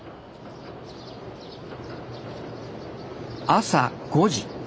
朝５時。